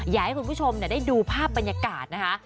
อยากให้คุณผู้ชมได้ดูภาพบรรยากาศนะคะ